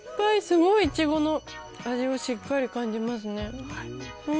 すごいイチゴの味をしっかり感じますね。